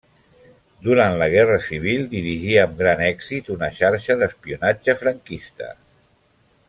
Durant la guerra civil dirigí amb gran èxit una xarxa d'espionatge franquista.